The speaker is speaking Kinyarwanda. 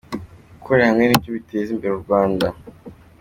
Gukorera hamwe ni byo bizateza imbere u Rwanda.